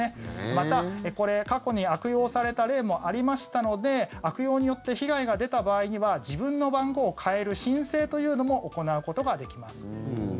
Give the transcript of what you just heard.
また、過去に悪用された例もありましたので悪用によって被害が出た場合には自分の番号を変える申請というのも行うことができます。